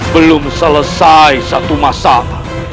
belum selesai satu masalah